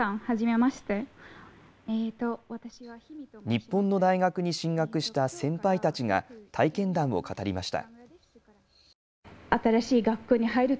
日本の大学に進学した先輩たちが体験談を語りました。